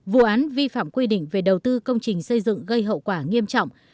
vụ án vi phạm quy định về đầu tư công trình xây dựng gây hậu quả nghiêm trọng